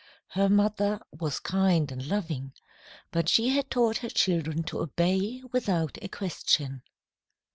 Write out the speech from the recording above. Her mother was kind and loving, but she had taught her children to obey without a question.